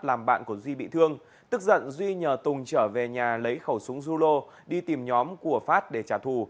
làm bạn của duy bị thương tức giận duy nhờ tùng trở về nhà lấy khẩu súng rulo đi tìm nhóm của phát để trả thù